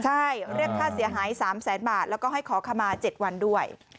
ใช่เรียกค่าเสียหาย๓แสนบาทแล้วก็ให้ขอขมา๗วันด้วย